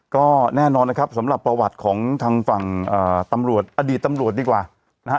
ก็แน่นอนนะครับสำหรับประวัติของทางฝั่งตำรวจอดีตตำรวจดีกว่านะฮะ